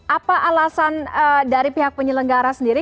apa alasan dari pihak penyelenggara sendiri